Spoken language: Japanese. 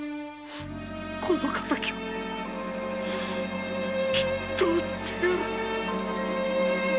この敵はきっと討ってやる！